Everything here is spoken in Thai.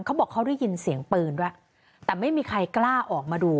เขาบอกเขาได้ยินเสียงปืนด้วยแต่ไม่มีใครกล้าออกมาดู